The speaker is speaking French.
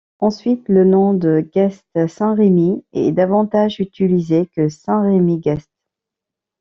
Ensuite, le nom de Geest-Saint-Remy est davantage utilisé que Saint-Remy-Geest.